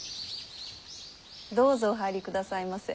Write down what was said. どうぞお入りくださいませ。